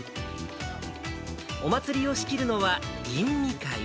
お祭りを仕切るのは銀実会。